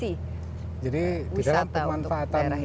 wisata untuk daerah ini jadi di dalam pemanfaatan